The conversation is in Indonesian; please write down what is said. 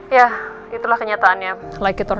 ya itulah kenyataannya